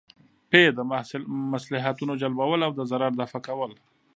ب : د مصلحتونو جلبول او د ضرر دفعه کول